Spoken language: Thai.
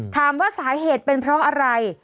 ถามว่าสาเหตุเป็นเพราะอะไร